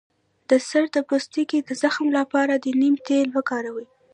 د سر د پوستکي د زخم لپاره د نیم تېل وکاروئ